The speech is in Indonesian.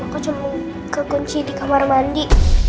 aku cuma kekunci di kamar mandi